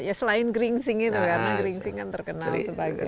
ya selain gringsing itu karena geringsing kan terkenal sebagai